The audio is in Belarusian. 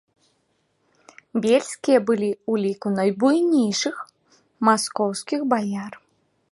Бельскія былі ў ліку найбуйнейшых маскоўскіх баяр.